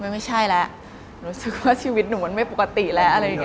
มันไม่ใช่แล้วหนูรู้สึกว่าชีวิตหนูมันไม่ปกติแล้วอะไรอย่างนี้